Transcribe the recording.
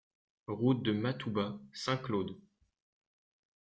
Route de Matouba, Saint-Claude